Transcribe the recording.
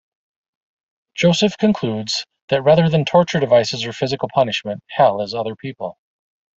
Joseph concludes that rather than torture devices or physical punishment, hell is other people.